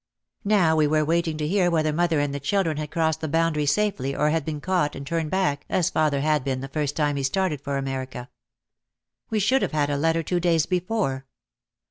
Now we were waiting to hear whether mother and the children had crossed the boundary safely or had been caught and turned back as father had been the first time he started for America. We should have had a letter two days before.